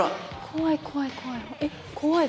怖い怖い怖い怖い。